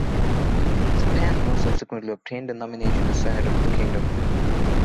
Spano subsequently obtained the nomination as Senator of the Kingdom.